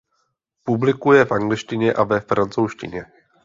Publikuje v angličtině a ve francouzštině.